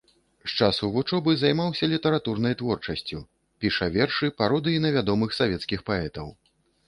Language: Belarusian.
З часу вучобы займаўся літаратурнай творчасцю, піша вершы, пародыі на вядомых савецкіх паэтаў.